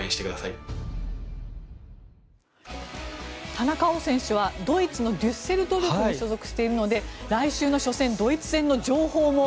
田中碧選手はドイツのデュッセルドルフに所属しているので来週の初戦ドイツ戦の情報も。